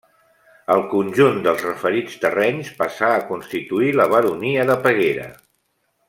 El conjunt dels referits terrenys passà a constituir la baronia de Peguera.